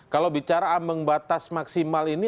kalau bicara mengbatas maksimal ini